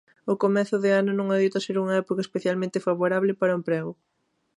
O comezo de ano non adoita ser unha época especialmente favorable para o emprego.